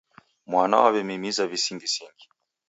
Mwana w'aw'emimiza visingisingi